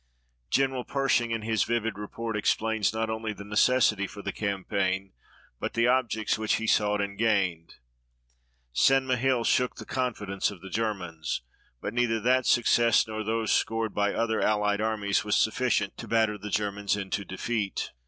General Pershing in his vivid report explains not only the necessity for the campaign but the objects which he sought and gained. St. Mihiel shook the confidence of the Germans, but neither that success nor those scored by other allied armies was sufficient to batter the Germans into defeat.